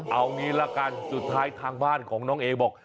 เอางี้ละกันสุดท้ายทางบ้านของน้องเอบอก